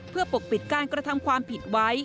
เพื่อปกปิดการกระทำความผิดไว้